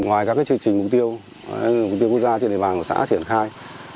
ngoài các chương trình mục tiêu mục tiêu quốc gia trên địa bàn của xã triển khai